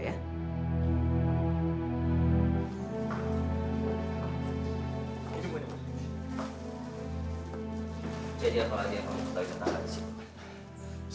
jadi apa lagi yang kamu tahu tentang gadis itu